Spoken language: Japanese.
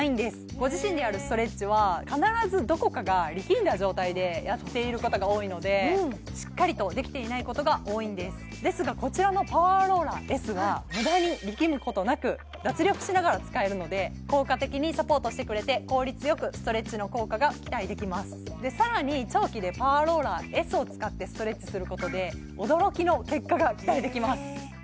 ご自身でやるストレッチは必ずどこかが力んだ状態でやっていることが多いのでしっかりとできていないことが多いんですですがこちらのパワーローラーＳは無駄に力むことなく脱力しながら使えるので効果的にサポートしてくれて効率よくストレッチの効果が期待できますでさらに長期でパワーローラーＳを使ってストレッチすることで驚きの結果が期待できますええ